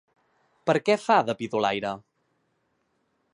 Per què fa de pidolaire?